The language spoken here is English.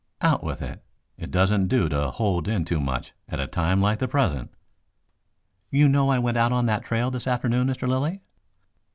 "Out with it. It doesn't do to hold in too much at a time like the present." "You know I went out on that trail this afternoon, Mr. Lilly?"